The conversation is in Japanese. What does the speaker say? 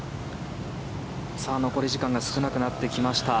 残り時間が少なくなってきました。